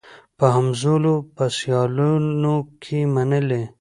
په همزولو په سیالانو کي منلې